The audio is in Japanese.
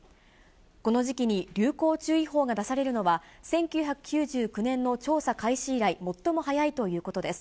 この時期に流行注意報が出されるのは、１９９９年の調査開始以来最も早いということです。